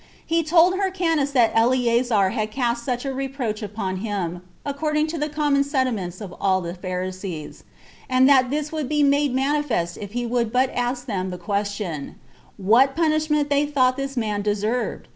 He told Hyrcanus that Eleazar had cast such a reproach upon him, according to the common sentiments of all the Pharisees, and that this would be made manifest if he would but ask them the question, What punishment they thought this man deserved?